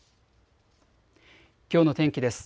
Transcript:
きょうの天気です。